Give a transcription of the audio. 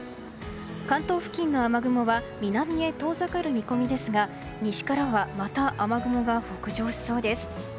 関東付近の雨雲は南へ遠ざかる見込みですが西からはまた雨雲が北上しそうです。